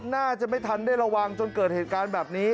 น่าจะไม่ทันได้ระวังจนเกิดเหตุการณ์แบบนี้